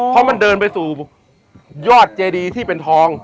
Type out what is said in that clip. เพราะมันเดินไปสู่ยอดเจดีที่เป็นทอง